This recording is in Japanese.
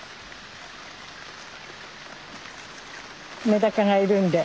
メダカがいるんで。